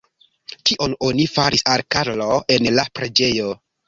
Kion oni faris al Karlo en la preĝejo?